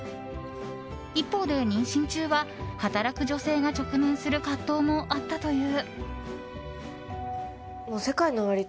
一方で妊娠中は働く女性が直面する葛藤もあったという。